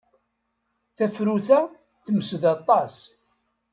Tafrut-a temsed aṭas.